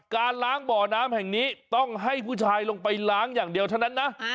การล้างบ่อน้ำแห่งนี้ต้องให้ผู้ชายลงไปล้างอย่างเดียวเท่านั้นนะ